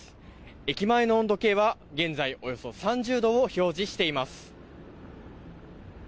駅前の温度計は、現在およそ３０度を表示しています。